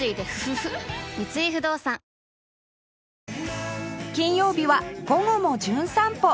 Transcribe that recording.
三井不動産金曜日は『午後もじゅん散歩』